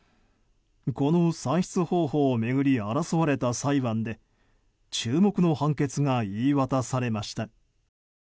この算出方法を巡り争われた裁判で注目の判決が言い渡されました。